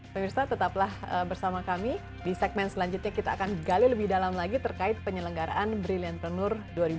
pemirsa tetaplah bersama kami di segmen selanjutnya kita akan gali lebih dalam lagi terkait penyelenggaraan brilliantpreneur dua ribu dua puluh